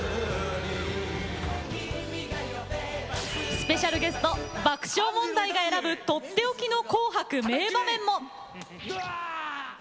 スペシャルゲスト爆笑問題が選ぶとっておきの「紅白」名場面も。